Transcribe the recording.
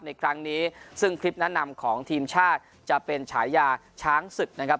ในครั้งนี้ซึ่งคลิปแนะนำของทีมชาติจะเป็นฉายาช้างศึกนะครับ